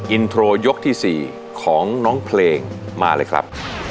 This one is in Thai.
อินโทรยกที่๔ของน้องเพลงมาเลยครับ